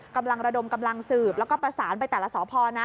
กำลังระดมกำลังสืบแล้วก็ประสานไปแต่ละสพนะ